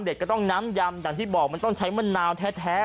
เด็ตก็ต้องน้ำย่ำแต่ที่บอกมันต้องใช้มะนาวแท้แท้